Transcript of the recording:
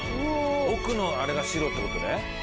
奥のアレが白ってことねうぉ